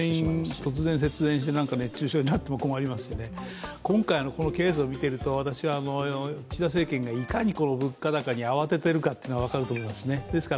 突然、節電して熱中症になっても困りますし、今回のケースを見ていると岸田政権がいかに物価高に慌てているか分かりますね。